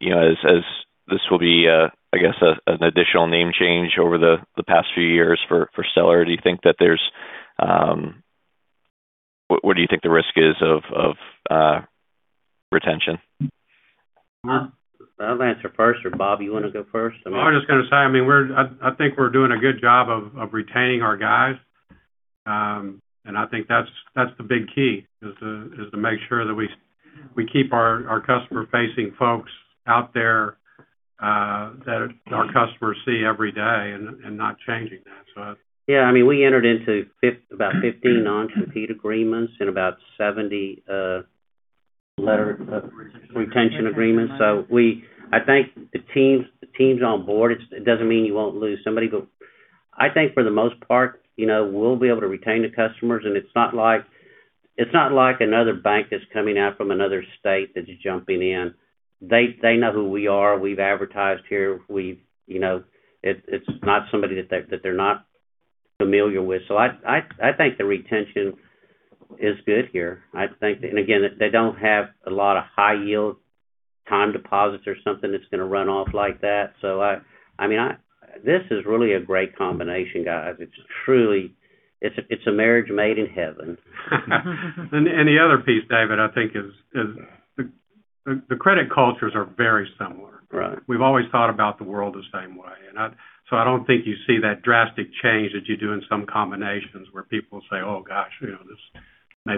you know, as this will be, I guess, an additional name change over the past few years for Stellar? What do you think the risk is of retention? I'll answer first, or Bob, you wanna go first? I mean. No, I was gonna say, I mean, I think we're doing a good job of retaining our guys. I think that's the big key, is to make sure that we keep our customer-facing folks out there, that our customers see every day and not changing that. Yeah, I mean, we entered into about 15 non-compete agreements and about 70 letter retention agreements. I think the teams on board, it doesn't mean you won't lose somebody, but I think for the most part, you know, we'll be able to retain the customers, and it's not like another bank that's coming out from another state that's jumping in. They know who we are. We've advertised here. You know, it's not somebody that they're not familiar with. I think the retention is good here. I think again, they don't have a lot of high yield time deposits or something that's gonna run off like that. I mean, this is really a great combination, guys. It's truly a marriage made in heaven. The other piece, David, I think is the credit cultures are very similar. Right. We've always thought about the world the same way. I don't think you see that drastic change that you do in some combinations where people say, "Oh gosh, you know, this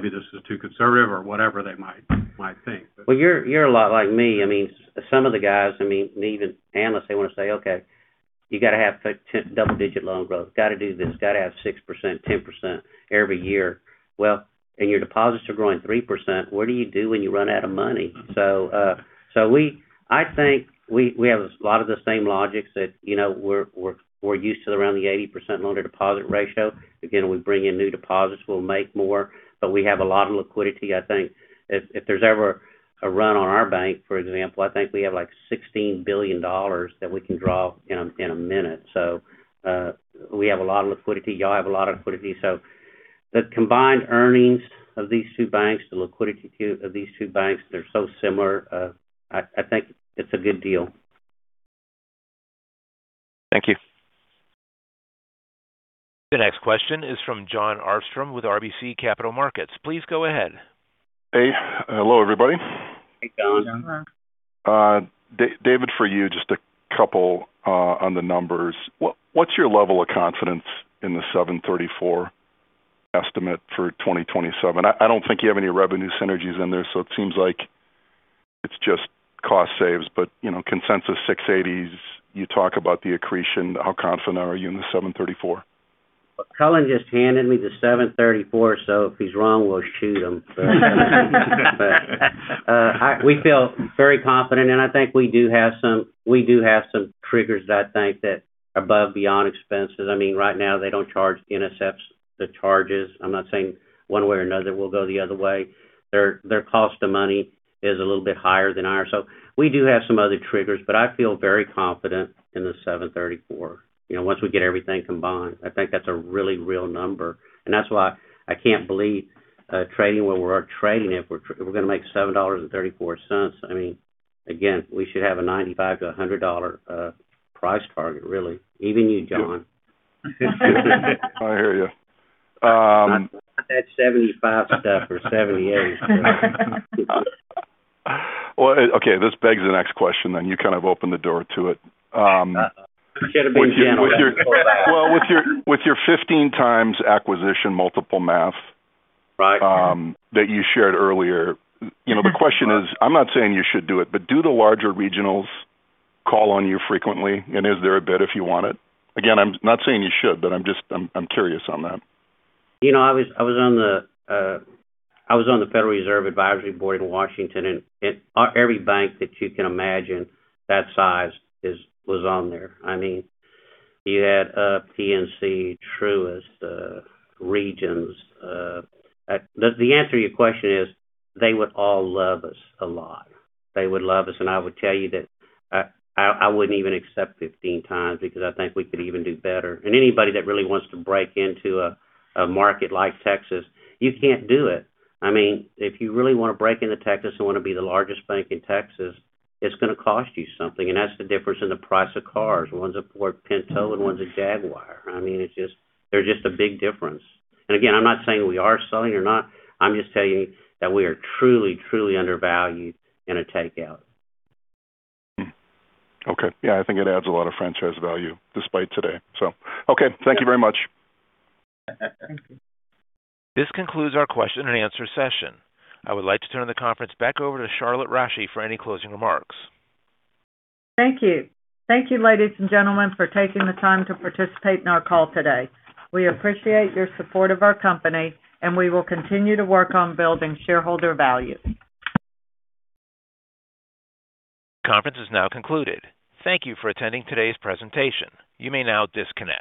is too conservative," or whatever they might think. Well, you're a lot like me. I mean, some of the guys, I mean, and even analysts, they wanna say, "Okay, you gotta have double-digit loan growth. Gotta do this. Gotta have 6%, 10% every year." Your deposits are growing 3%. What do you do when you run out of money? I think we have a lot of the same logics that, you know, we're used to around the 80% loan-to-deposit ratio. Again, we bring in new deposits, we'll make more, but we have a lot of liquidity. I think if there's ever a run on our bank, for example, I think we have, like, $16 billion that we can draw in one minute. We have a lot of liquidity. Y'all have a lot of liquidity. The combined earnings of these two banks, the liquidity of these two banks, they're so similar. I think it's a good deal. Thank you. The next question is from Jon Arfstrom with RBC Capital Markets. Please go ahead. Hey. Hello, everybody Hey, Jon. David, for you, just a couple, on the numbers. What's your level of confidence in the $7.34 estimate for 2027? I don't think you have any revenue synergies in there, so it seems like it's just cost saves. You know, consensus $6.80s, you talk about the accretion. How confident are you in the $7.34? Cullen just handed me the $7.34. If he's wrong, we'll shoot him. We feel very confident, and I think we do have some triggers that I think that above beyond expenses. I mean, right now they don't charge NSFs the charges. I'm not saying one way or another will go the other way. Their cost of money is a little bit higher than ours. We do have some other triggers. I feel very confident in the $7.34. You know, once we get everything combined, I think that's a really real number. That's why I can't believe trading where we're trading, if we're gonna make $7.34. I mean, again, we should have a $95-$100 price target, really. Even you, Jon. I hear you. Not that 75 stuff or 78. Well, okay, this begs the next question then. You kind of opened the door to it. Uh-oh. Well, with your 15x acquisition multiple math- Right... that you shared earlier, you know, the question is, I'm not saying you should do it, but do the larger regionals call on you frequently? Is there a bid if you want it? Again, I'm not saying you should, but I'm just curious on that. You know, I was on the Federal Advisory Council in Washington, and every bank that you can imagine that size was on there. I mean, you had PNC, Truist, Regions. The answer to your question is they would all love us a lot. They would love us, and I would tell you that I wouldn't even accept 15x because I think we could even do better. Anybody that really wants to break into a market like Texas, you can't do it. I mean, if you really wanna break into Texas and wanna be the largest bank in Texas, it's gonna cost you something. That's the difference in the price of cars. One's a Ford Pinto and one's a Jaguar. I mean, it's just, they're just a big difference. Again, I'm not saying we are selling or not. I'm just telling you that we are truly undervalued in a takeout. Okay. Yeah, I think it adds a lot of franchise value despite today, so. Okay. Thank you very much. Thank you. This concludes our question and answer session. I would like to turn the conference back over to Charlotte Rasche for any closing remarks. Thank you. Thank you, ladies and gentlemen, for taking the time to participate in our call today. We appreciate your support of our company. We will continue to work on building shareholder value. Conference is now concluded. Thank you for attending today's presentation. You may now disconnect.